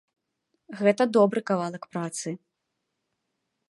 Гэта добры кавалак працы.